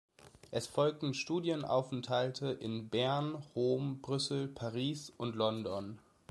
Es folgten Studienaufenthalte in Bern, Rom, Brüssel, Paris und London.